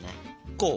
こう？